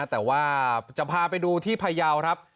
แต่ว่าจะพาไปดูที่พยาวครับ